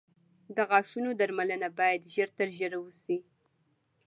• د غاښونو درملنه باید ژر تر ژره وشي.